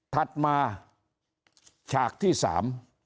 ถัดมาฉากที่สาม